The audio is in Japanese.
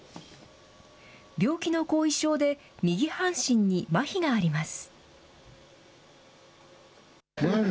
病気の後遺症で、右半身にまひがあります。